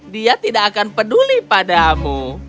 dia tidak akan peduli padamu